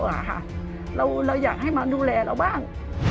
แล้วก็จะให้มาดูแลแล้วบ้าง